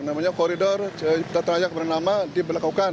namanya koridor ciput atraya keberanian lama diberlakukan